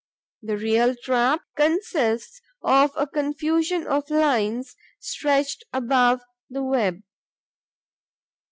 The real trap consists of a confusion of lines stretched above the web.